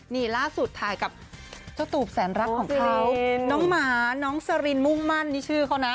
นี่ล่าสุดถ่ายกับเจ้าตูบแสนรักของเขาน้องหมาน้องสรินมุ่งมั่นนี่ชื่อเขานะ